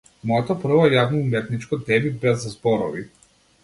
Моето прво јавно уметничко деби без зборови.